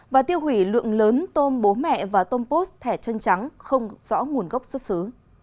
và tiêu hủy lượng lớn tôm bố mẹ và tôm bố thẻ chân trắng không rõ nguồn gốc xuất xứ